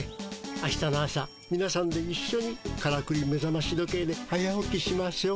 あしたの朝みなさんでいっしょにからくりめざまし時計で早起きしましょう。